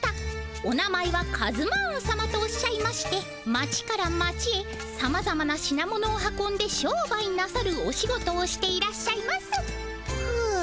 お名前はカズマーンさまとおっしゃいまして町から町へさまざまな品物を運んで商売なさるお仕事をしていらっしゃいますふ